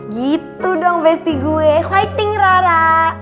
gitu dong besti gue fighting rara